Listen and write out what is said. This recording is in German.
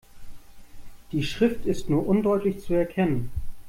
Die Schrift ist nur undeutlich zu erkennen.